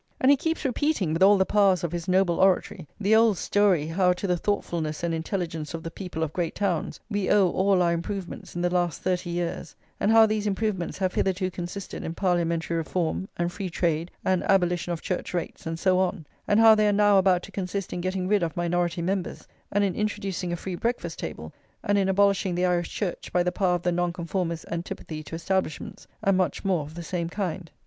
And he keeps repeating, with all the powers of his noble oratory, the old story, how to the thoughtfulness and intelligence of the people of great towns we owe all our improvements in the last thirty years, and how these improvements have hitherto consisted in Parliamentary reform, and free trade, and abolition of Church rates, and so on; and how they are now about to consist in getting rid of minority members, and in introducing a free breakfast table, and in abolishing the Irish Church by the power of the Nonconformists' antipathy to establishments, and much more of the same kind.